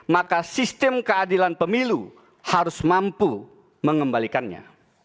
maka sistem keadilan pemilu harus mampu mengembalikannya